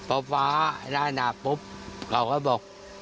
พอฟ้านาดนาดปุ๊บเขาก็บอก